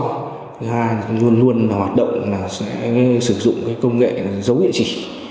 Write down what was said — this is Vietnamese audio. thứ hai là luôn luôn hoạt động sử dụng công nghệ giấu địa chỉ